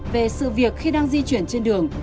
về sự việc khi đang di chuyển trên đường